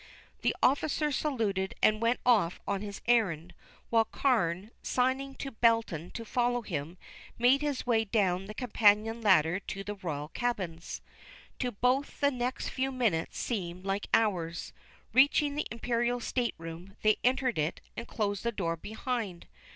The officer saluted and went off on his errand, while Carne, signing to Belton to follow him, made his way down the companion ladder to the Royal cabins. To both the next few minutes seemed like hours. Reaching the Imperial stateroom, they entered it, and closed the door behind.